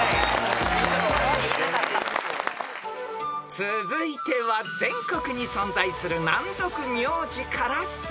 ［続いては全国に存在する難読名字から出題］